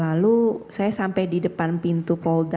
lalu saya sampai di depan pintu polda